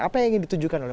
apa yang ditunjukkan